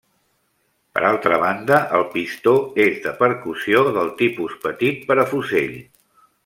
Per altra banda el pistó és de percussió del tipus petit per a fusell.